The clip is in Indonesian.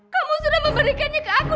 kamu sudah memberikannya ke aku